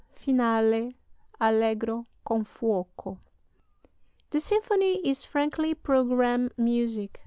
Finale: Allegro con fuoco This symphony is frankly programme music.